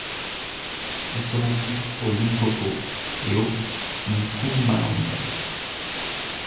Elle se rencontre au Limpopo et au Mpumalanga.